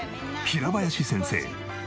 平林先生。